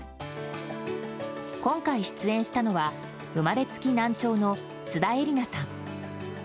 今回、出演したのは生まれつき難聴の津田絵理奈さん。